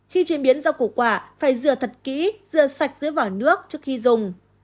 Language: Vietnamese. khi chế biến rau củ quả phải rửa thật kỹ rửa sạch dưới vỏ nước trước khi dùng